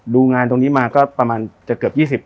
ดูงานตรงนี้มาก็ประมาณจะเกือบ๒๐ปีแล้วครับ